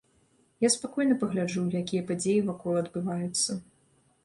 Я спакойна пагляджу, якія падзеі вакол адбываюцца.